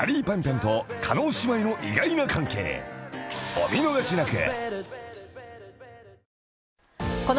［お見逃しなく］